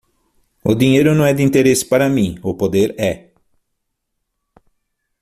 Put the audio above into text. O dinheiro não é de interesse para mim, o poder é.